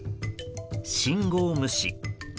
信号無視。